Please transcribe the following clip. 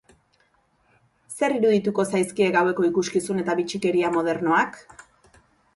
Zer irudituko zaizkie gaueko ikuskizun eta bitxikeria modernoak?